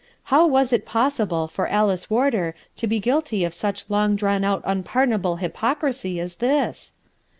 How was it possible for Alice Warder to be guilty of such long drawn out un pardonable hypocrisy as this?